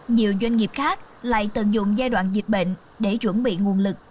nhiều doanh nghiệp khác lại tận dụng giai đoạn dịch bệnh để chuẩn bị nguồn lực